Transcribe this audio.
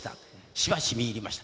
しばし見入りました。